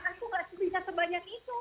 aku gak bisa sebanyak itu